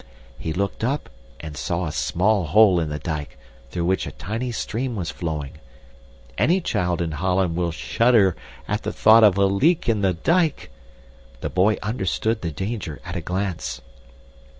He looked up and saw a small hole in the dike through which a tiny stream was flowing. Any child in Holland will shudder at the thought of A LEAK IN THE DIKE! The boy understood the danger at a glance.